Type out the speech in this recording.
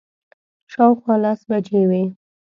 شاوخوا لس بجې وې.